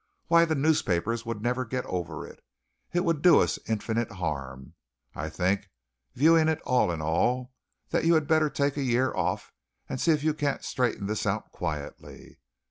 Why the newspapers would never get over it. It would do us infinite harm. I think, viewing it all in all, that you had better take a year off and see if you can't straighten this out quietly.